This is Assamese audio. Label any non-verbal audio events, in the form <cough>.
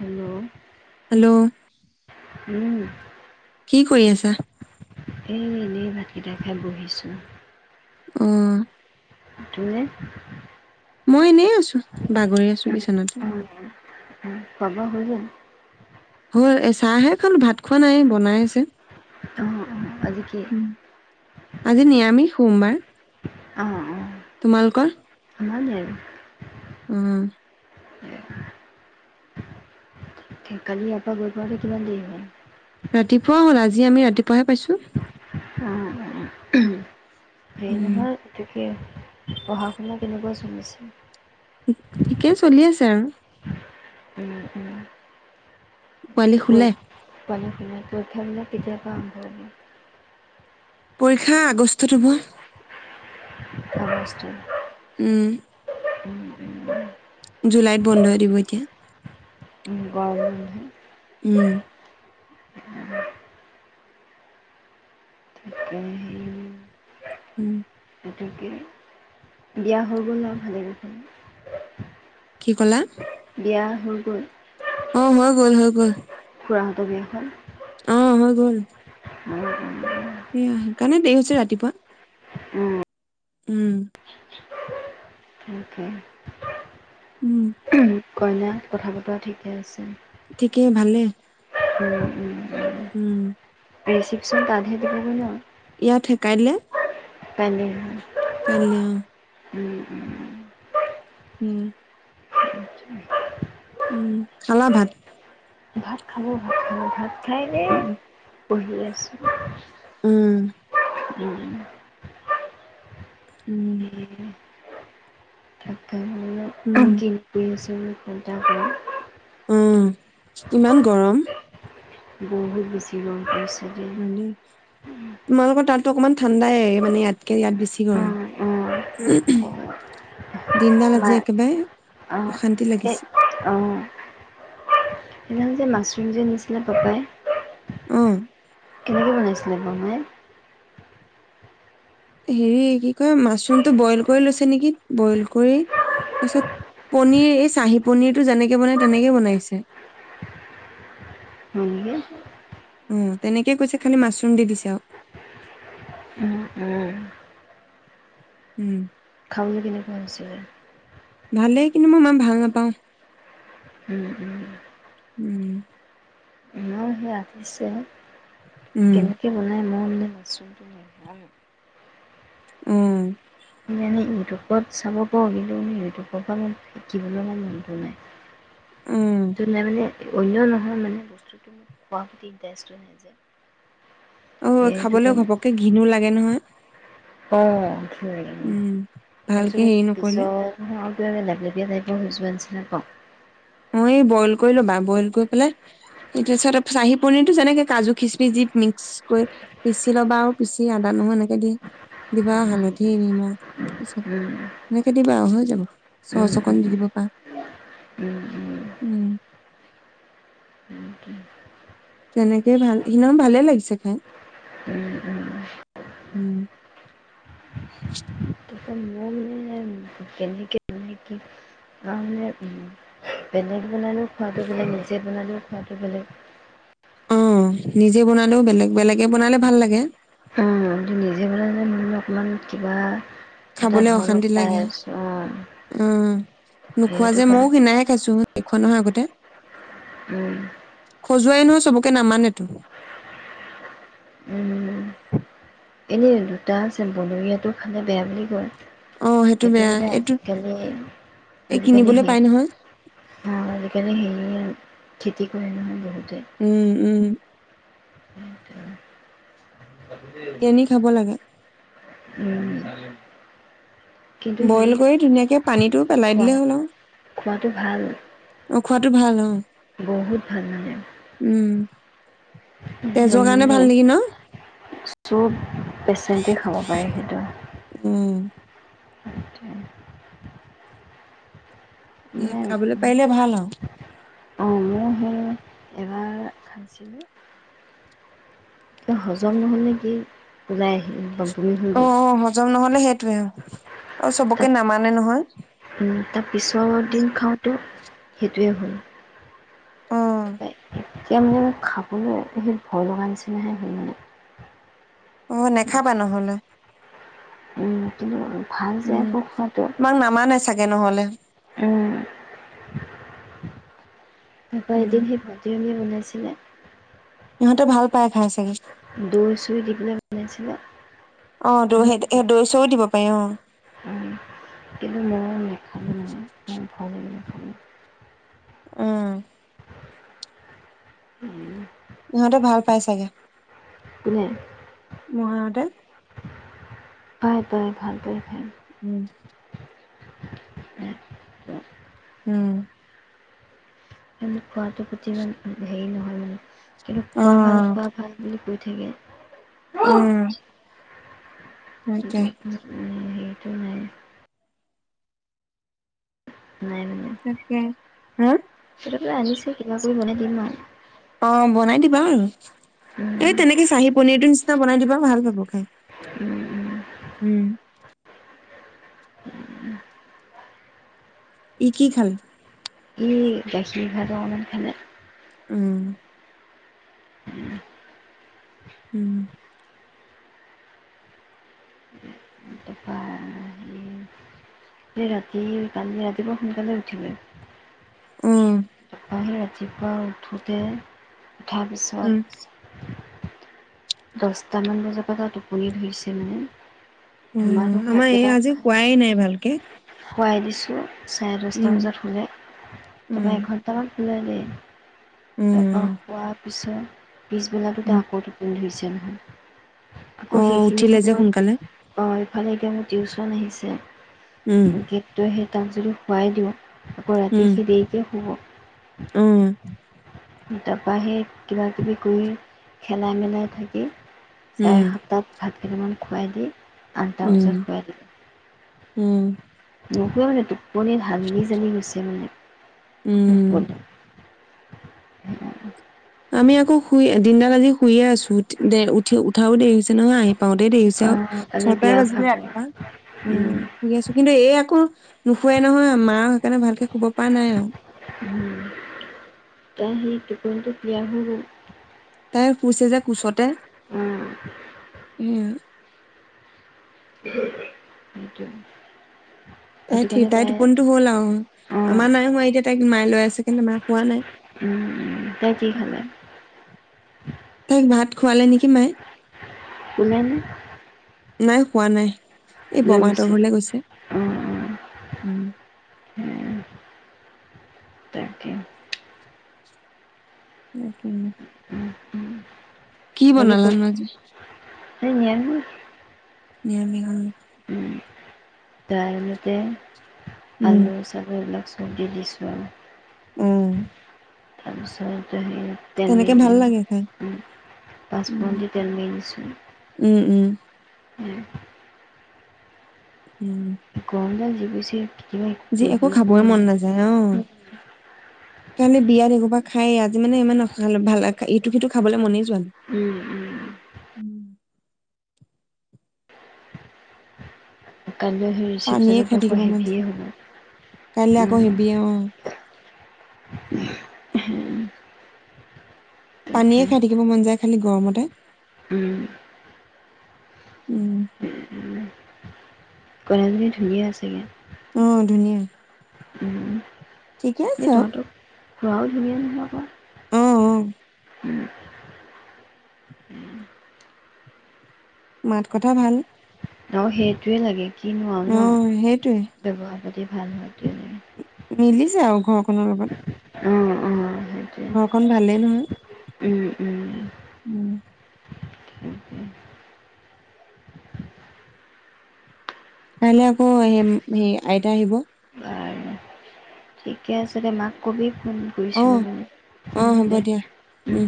হেল্ল', হেল্ল' উম', কি কৰি আছা? এই এনেই ভাতকেইটা খাই বহিছোঁ। উ ', তুমি? মই এনেই আছো বাগৰি আছো অঁ কিছনাতে অঁ খোৱা বোৱা হৈল জানো, হয় এ চাহাহে খাল ভাত খোৱা নাই বনাই আছে অ' আজি কি? উম, আজি নিৰামিষ সোমবাৰ অ' অ' তোমালোকৰ আমাৰু নিৰামিষ উম উ কালি ইয়াৰ পৰা গৈ পাওঁতে কিমান দেৰি হ'ল। ৰাতিপুৱা হ'ল আজি আমি ৰাতিপুৱাহে পাইছো অ' অ' হেৰি উম নহয় ত পঢ়া শুনা কেনেকুৱা চনলিছে ঠিকেই চলি আছে আৰু উম উম! পোৱালি খোলে। পোৱালি শুলে পৰিক্ষা বিলাক কেতিয়াবা আৰম্ভ হ'ব। পৰীক্ষা আগষ্টত হ'ব হয় উম উম উম জুলাইত বন্ধ হৈ দিব এতিয়া গ উম উ উম গতি বিয়া হৈ গ'ল আৰু ভালে কুশলে কি ক'লা বিয়া হৈ গল অ হৈ গ'ল হৈ গ'ল খুৰাহঁতৰ বিয়াখন অ' হ'ল উম উম সেইয়া সেইকাৰণে দেৰি হৈছে ৰাতিপুৱা উম ', উম উহ হু উম কইনা কথা বতৰা ঠিকে আছে থিকে ভালে উম উম উম ৰেশিপচন তাতহে থাকিব ন‌? ইয়াত সে কাইলে পালে কল্যাণ উম উম উ উম উম খালা ভাত? খালো ভাত খালো ভাত খায়হে উম, বঢ়ি আছোঁ উম উম উম উম, ে <inaudible> জু খধা কৰা উম ইমান গৰম বহুত বেছি গম পাইছো নে তোমালোকৰ তাততো অকনমান ঠাণ্ডাইে মানে ইয়াত ইয়াত বেছি অ', গৰম উম অ', হু দিনদালা মা যি একেবাৰে অ', অশান্তি এ লাগিছে অ', সেইদিনাখন যে মাছৰুম যে নিচিলে পাপাই অ কেনেকৈ বনাইছিলে বাৰু মাই হেৰি কি কয় মাছৰুমটো বইল কৰি লৈছে নেকি বইল কৰি তাৰ পিছত পনিৰ এই চাহি পনিৰটো যেনেকে বনাই তেনেকে বনাইছে হয় নেকি? অ তেনেকেই কৈছে খালি মাচৰুম দি দিছেক উম, উম, উম খাবলৈ কেনেকুৱা হৈছিলে? ভালেই কিন্তু মই ইমান ভাল নাপাওঁ উম উম উম আৰু সেয়াজিছে উম, কেনেকে বনাই মোৰ বোলে মাছৰুমটো নেখাঁওয়ে। উম। আমি ইউটিউবত চাব পাৰোঁ কিন্ত মানে ইউটিউবৰ পৰা শিকিবলৈ মই মনটো নাই। উম। <unintelligible> অন্য নহয় মানে বস্তুটো মোক খোৱাৰ প্ৰতি ইণ্টাৰেষ্টটো নাই যে। অ' সেইটো খাবলৈও কাৰণে ঘপক্কে ঘিণো লাগে নহয়। অ। <unintelligible> উম ভালকে বস্তুটো এক হেৰি নকৰিলে বিজল নহয় হেটো এনেই লেপলেপীয়া টাইপৰ হৈ যোৱা নিচিনা পাওঁ। অ এই বইল কৰি ল'বা। বইল কৰি পেলে ই তাৰছত চাহী পনীৰটো যেনেকে কাজু খিচ্‌মিচ্‌ দি মিক্স কৰি পিচি ল'বা আৰু পিচি আদা, নহৰু এনেকে দি -দিবা হালধি নিমখ পিছত- তাৰপিছত এনেকে দিবা আৰু হৈ যাব। চচ্‌ অকন দি দিব পাৰা। উম। তেনেকেই ভাল। সিদিনাখন ভালে লাগিছে খাই। উম। কেনেকে <unintelligible> কি মানে বেলেগ বনালোঁ, খোৱাটো বোলে নিজে বনালোঁ। বাকী বেলেগ অ'- নিজে বনালেও বেলেগ বেলেগে বনালে ভাল লাগে! মানুহটো নিজে বনালে, মোৰো অকমান কিবা এটা খাবলে ধৰণত অশান্তি পাই লাগে। আছোঁ অঁ উম্‌-নোখোৱা সেইটো যে ময়ো কাৰণে সিনায়ে খাইছোঁ। নাই খোৱা নহয় আগতে! উম। খজুৱাই নহয় চবকে নামানেতো। এনেই দুটা আছে, বনৰীয়াটো খালে বেয়া বুলি কয়। অ সেইটো এইটো বেয়া মানে এইটো এই আজিকালি-আজিকালি কিনিবলৈ হেই পাই নহয় হা আজিকালি হেই খেতি কৰে নহয় বহুত। উম্‌-, উম্‌। <unintelligible> পিয়নী খাব লাগে। উম্‌। বইল কৰি ধুনীয়াকে পানীটো পেলাই খোৱা দিলে হ'ল আও। খোৱাটো ভাল অ' খোৱাটো ভাল, অ'। বহুত ভাল মানে। উম তেজৰ কাৰণে ভাল নেকি ন <unintelligible> চব পেচেণ্টেই খাব পাৰে সেইটো। উম আঠা উম খাবলৈ পাৰিলে ভাল আৰু <unintelligible> অ' মও হেই এবাৰ খাইছিলোঁ, কি হজম নহ'লনে কি ওলাই আহিল বম অ' অ' হজম নহ'লে হেইটোয়ে। আও চবকে নামানে নহয়। উ তাৰ পিছৰ দিন খাওঁতেও সেইটোৱে ভূল অ তায় এতিয়া মানে খাবলৈ সেই ভয় লগা নিচিনাহে সেই মানে অ নেখাবা নহ'লে উম কি উম তোমাক নামানে আছে থাকে নহ'লে উ তাপা উম এদিন সেই ভাতি বনাইছিলে ইহঁতে ভাল পায় দুই চুই দিবলে নিছিল অহ দ সেই দৈ চৈ দিব পাৰি আহ উম, কিন্তু উ অহ উম ইহঁতে ভাল পাই চাগে ন মহা সতে হয় দয় ভ খ উম ত উম খোৱাটো প্ৰতি ইমান হেৰি নহয় মানে কিন্তু খোৱা ভাল অ খোৱা ভাল বুলি কৈছোঁ ঠিকে অহ উম উ উম সেইটোৱে নাই নাই মানে তাকে সিহঁতৰ পৰা আনিছে কিবা কৰি বনাই দিম আৰু। অ বনাই দিবা এই উম, তেনেকে চাহী পনীৰটো টা বনাই দিবা ভাল পাবো খাই উম উম উম উম ই কি খালু ই গাখীৰ ভাত অকনমান খালে উম হম হম এই ৰাতি কালি ৰাতিপুৱা সোনকালে উঠিলে উম ৰাতিপা উঠোঁতে উঠাৰ উম পিছত দহটামান বজাৰ পৰা তাত টোপনি ধৰিছে মানে অ ধুমাধুম আমাৰ এই আজি কোৱাই নাই ভালকে খোৱাই দিছোঁ চাৰে দহটা উম। বজাত খোলে উম তাৰপৰা এঘণ্টামান নলৈে তাপা উম। সোৱাদ পিছ পিছবেলাটোো উম। আকৌ টোপন্ধৰি হৈছে জনেহ অ আকৌ সেইখিনি উঠিলে যে সময়ত সোনকালে আহ ইফালে এতিয়া ম টিউচন আহিছে উম গ ক তাপ যদি শোৱাই দিওঁ আকৌ ৰাতি উম সি দেকে শুব উম তাৰপ সি কিবাাকিবি কৰি খেলাই মেলাই থাকি চাৰে উম সপ্তাত ভাত সদমান খুৱাই দি আন্ত উম। চৰত খ উম নক মানে তোক মনেনি ালনি জানি গৈছে মানে খব উম। বন উ আমি আকৌ শুই দিনডাল আজি শুইয়ে আছো দে উঠি উঠাও দেৰি হৈছে নহয় আহি পাওঁতেই দেৰি হৈছে আৰু কালি ছটাই বিয়া বাজিলে ভাগৰ ৰাতিপুৱা উম শুই আছো কিন্তু এই আকৌ নোখোৱাই নহয় মা সেইকাৰণে ভালকে শুব পৰা নাই আৰু উ এ সেই টোপটোো বিয়া হৈ কুৈছে যে কোচতে অঁ এ সেইটো তাই সেইটো ঠ কাৰণে তাই টোপনিিতো হ'ল আৰু অঁ আমাৰ নাই হোৱা এতিয়া তাইক মায়াই লৈ আছে কিন্তু মা হোৱা নাই উম কি খালে? তাইক ভাত খোৱালে নেকি মায়ে কুননে নাই কোৱা নাই এই বৰমাহতৰ ঘৰলে গৈছে অঁ উম অঁ তাকে ইম নকেই কি বনালে আজি ন নিৰামিক ত মতে উম, আলু চাগ এইবিলাক খব দি দিছোঁ আৰু উম তাৰপিছ যি তেন তেনেকে ভাল লাগে খাই। উম, পাঁচফি তেটন মিনিছো উম উম গৰম দাল যি পৰিছে কি যি একো ম খাবই ঘুমন মন কে বিয়াত একোবা খাই আজি মানে ইমানাল ভাল ইটো সিটো খাবলৈ মনেই যোৱ ন উম উম কাইলৈ সেই পানীয়ে ৰিচিপশ্যনত খাই ল মোৱা থাকিব মন হেভিয়ে যায় কাইলৈ আকৌ হ'ব হেবি অ উ পানীয়ে তাকে খাই থাকিব মন যায় খালি গৰমতে উম ক ধুনিয়ীয়া আছেগে আহ ধুনীয়া উম ঠিকে এই আছে তহঁতক খোৱাও ধুনীয়া নলাবা উম মাত কথা ভাল আৰু সেইটোৱে লাগে কিনো আ অ ন সেইটোৱে ব্যৱহাৰ বুলি দ ভাল মতে মিলিছে আৰু ঘৰখনৰ লগত অঁ অকন ভালেই নহয় উম, উম তাকে কাইলৈ আকৌ সেই আইতা আহিব বাৰু ঠিকে আছিল দে মাক কবি ফোন অ কৰিছিলোঁ অ মানে হ'ব দিয়া দে উম